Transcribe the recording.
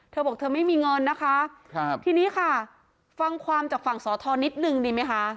เธอบอกเธอไม่มีเงินนะคะครับทีนี้ค่ะฟังความจากฝั่งสอทรนิดนึงดีไหมคะ